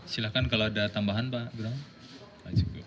silakan kalau ada tambahan pak